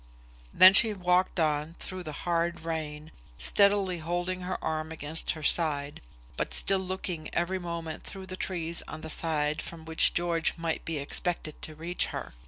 Then she walked on through the hard rain, steadily holding her arm against her side, but still looking every moment through the trees on the side from which George might be expected to reach her.